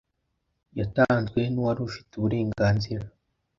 yatanzwe n uwari ufite uburenganzira